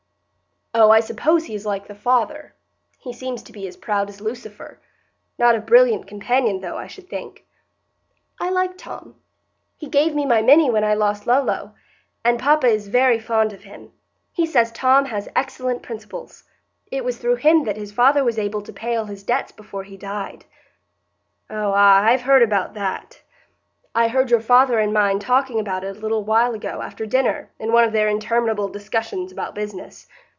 "Oh, I suppose he is like the father; he seems to be as proud as Lucifer. Not a brilliant companion, though, I should think." "I like Tom. He gave me my Minny when I lost Lolo; and papa is very fond of him: he says Tom has excellent principles. It was through him that his father was able to pay all his debts before he died." "Oh, ah; I've heard about that. I heard your father and mine talking about it a little while ago, after dinner, in one of their interminable discussions about business.